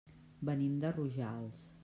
Venim de Rojals.